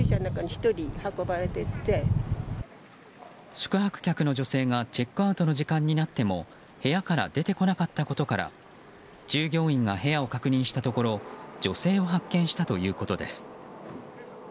宿泊客の女性がチェックアウトの時間になっても部屋から出てこなかったことから従業員が部屋を確認したところ女性を発見したということです。